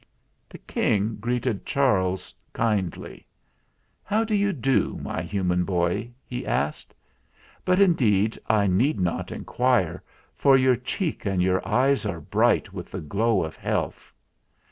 The King greeted Charles kindly. "How do you do, my human boy?" he asked. "But indeed I need not inquire, for your cheek and your eyes are bright with the glow of health.